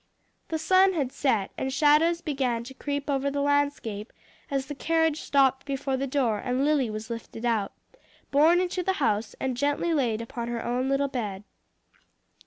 The sun had set, and shadows began to creep over the landscape as the carriage stopped before the door and Lily was lifted out, borne into the house and gently laid upon her own little bed.